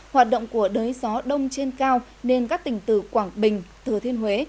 hoạt động của đới gió đông trên cao nên các tỉnh từ quảng bình thừa thiên huế